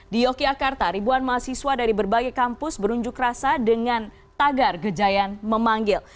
di yogyakarta ribuan mahasiswa dari berbagai kampus berunjuk rasa dengan tagar gejayan memanggil